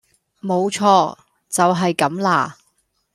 冇錯，就係咁啦